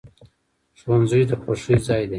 ښوونځی د خوښۍ ځای دی